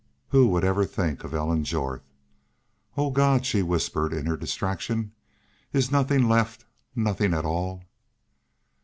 Who would ever think of Ellen Jorth? "O God!" she whispered in her distraction, "is there nothing left nothing at all?"